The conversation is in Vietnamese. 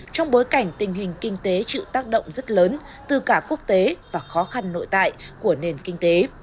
trong bối cảnh tình hình kinh tế chịu tác động rất lớn từ cả quốc tế và khó khăn nội tại của nền kinh tế